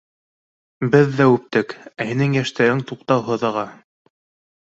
Беҙ ҙә үптек, ә һинең йәштәрең туҡтауһыҙ аға.